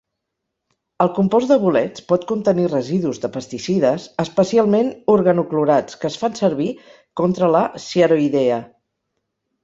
El compost de bolets pot contenir residus de pesticides, especialment organoclorats que es fan servir contra la sciaroidea.